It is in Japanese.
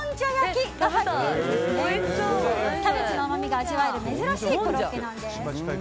キャベツの甘みが味わえる珍しいコロッケなんです。